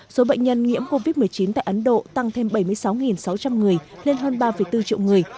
số bệnh nhân nhiễm covid một mươi chín tại ấn độ tăng thêm bảy mươi sáu sáu trăm linh người lên hơn ba bốn triệu người